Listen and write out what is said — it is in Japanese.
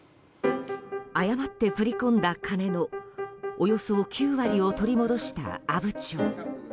誤って振り込んだ金のおよそ９割を取り戻した阿武町。